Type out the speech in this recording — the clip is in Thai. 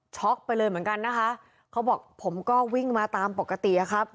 ไปเลยเหมือนกันนะคะเขาบอกผมก็วิ่งมาตามปกติอะครับ